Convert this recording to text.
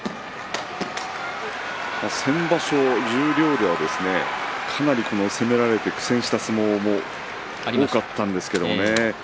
先場所、十両ではかなり攻められて苦戦した相撲も多かったんですけどもね。